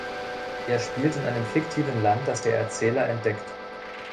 Er spielt in einem fiktiven Land, das der Erzähler entdeckt.